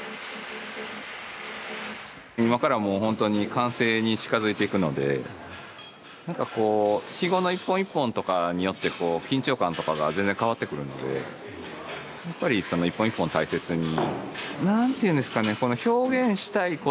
今からもうほんとに完成に近づいていくのでなんかこうヒゴの一本一本とかによって緊張感とかが全然変わってくるのでやっぱり一本一本大切に。